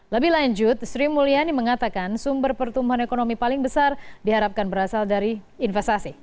lebih lanjut sri mulyani mengatakan sumber pertumbuhan ekonomi paling besar diharapkan berasal dari investasi